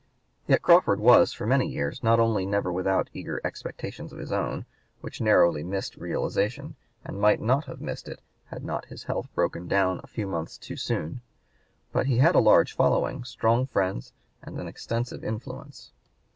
Yet Crawford was for many years not only never without eager expectations of his own, which narrowly missed realization and might not have missed it had not his health broken down a few months too soon, but he had a large following, strong friends, and an extensive influence.